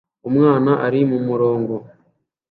Umwana ari kumurongo